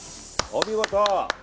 お見事！